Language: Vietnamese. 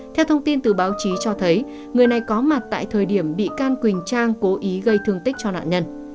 theo thông tin từ báo chí cho thấy người này có mặt tại thời điểm bị can quỳnh trang cố ý gây thương tích cho nạn nhân